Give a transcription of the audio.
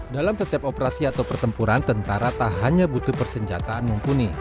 dalam setiap operasi atau pertempuran tentara tak hanya butuh persenjataan mumpuni